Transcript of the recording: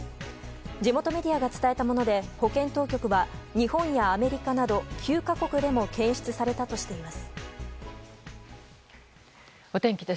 地元メディアが伝えたもので保健当局は日本やアメリカなど９か国でも検出されたとしています。